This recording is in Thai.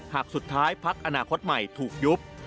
หากสุดท้ายพักอนาคตใหม่ถูกยุบ